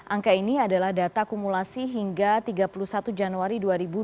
angka ini adalah data kumulasi hingga tiga puluh satu januari dua ribu dua puluh